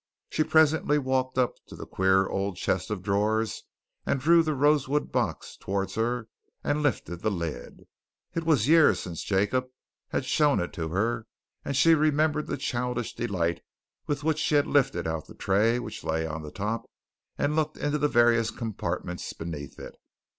She presently walked up to the queer old chest of drawers, and drew the rosewood box towards her and lifted the lid. It was years since Jacob had shown it to her, and she remembered the childish delight with which she had lifted out the tray which lay on the top and looked into the various compartments beneath it.